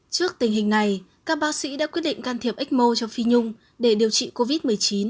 trước tình hình này các bác sĩ đã quyết định can thiệp ecmo cho phi nhung để điều trị covid một mươi chín